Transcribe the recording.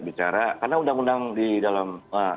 bicara karena undang undang di dalam